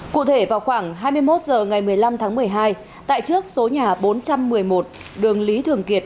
cụ thể vào khoảng hai mươi một h ngày một mươi năm tháng một mươi hai tại trước số nhà bốn trăm một mươi một đường lý thường kiệt